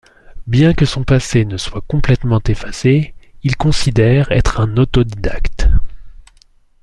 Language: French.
Bien que son passé ne soit complètement effacé, il considère être un autodidacte.